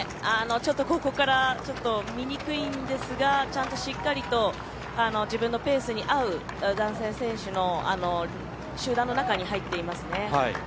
ここからは見にくいですがしっかりと自分のペースに合う男性選手の集団の中に入っています。